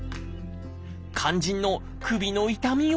肝心の首の痛みは？